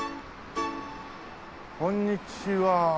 こんにちは。